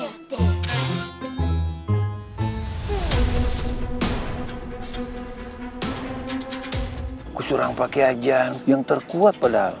aku surang pakai ajian yang terkuat padahal